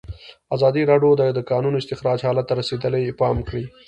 ازادي راډیو د د کانونو استخراج حالت ته رسېدلي پام کړی.